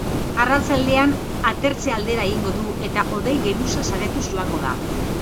Arratsaldean atertze aldera egingo du eta hodei geruza saretuz joango da.